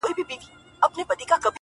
داسي زور نه وو چي نه یې وي منلي!